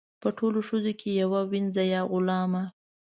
په ټولو ښځو کې یوه وینځه یا غلامه.